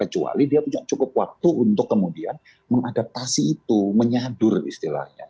kecuali dia punya cukup waktu untuk kemudian mengadaptasi itu menyadur istilahnya